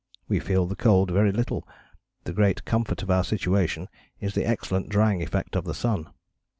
We feel the cold very little, the great comfort of our situation is the excellent drying effect of the sun....